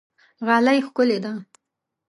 غالۍ ښکلې ده.